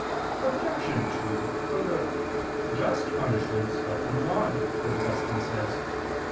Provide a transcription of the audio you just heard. Obj. 2: Further, just punishments are from God, as Augustine says (Qq.